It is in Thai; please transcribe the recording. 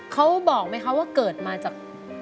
เขาบอกไหมคะว่าเกิดมาจาก